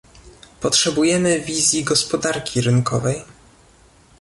Potrzebujemy wizji gospodarki rynkowej